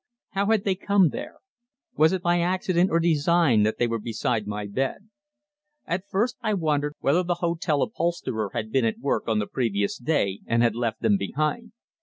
How had they come there? Was it by accident or design that they were beside my bed? At first I wondered whether the hotel upholsterer had been at work on the previous day and had left them behind.